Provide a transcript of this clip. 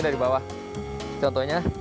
dari bawah contohnya